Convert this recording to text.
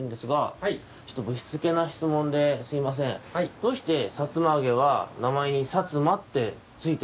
どうして「さつまあげ」はなまえに「さつま」ってついてるんですか？